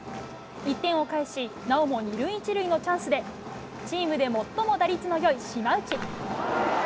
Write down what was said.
１点を返し、なおも２塁１塁のチャンスで、チームで最も打率のよい島内。